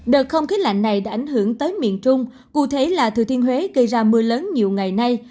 đợt không khí lạnh này đã ảnh hưởng tới miền trung cụ thể là thừa thiên huế gây ra mưa lớn nhiều ngày nay